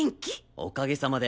おかげさまで。